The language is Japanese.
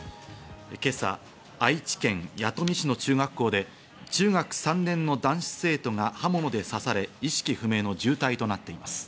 今朝、愛知県弥富市の中学校で中学３年の男子生徒が刃物で刺され、意識不明の重体となっています。